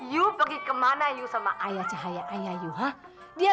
cuma gue yang tau bagaimana cara bikin ayah bahagia